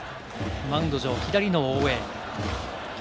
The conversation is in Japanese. マウンド上は左の大江。